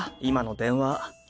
今の電話。